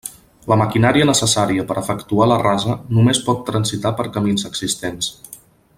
La maquinària necessària per efectuar la rasa només pot transitar per camins existents.